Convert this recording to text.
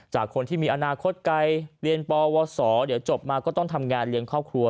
จากคนที่มีอนาคตไกลเรียนปวสเดี๋ยวจบมาก็ต้องทำงานเลี้ยงครอบครัว